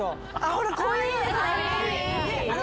ほらこういうの！